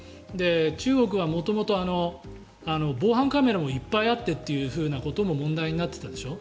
中国は元々、防犯カメラもいっぱいあってということも問題になっていたでしょ。